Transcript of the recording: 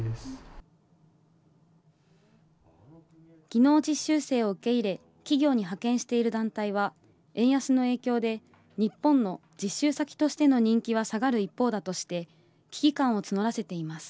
技能実習生を受け入れ企業に派遣している団体は、円安の影響で日本の実習先としての人気は下がる一方だとして、危機感を募らせています。